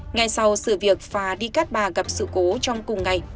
ngay sau sự việc phà đi cát bà gặp sự cố trong cùng ngày